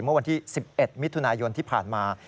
เมื่อวันที่๑๑มิถุนายนที่ผ่านมา